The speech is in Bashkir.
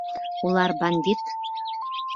Улар бандит!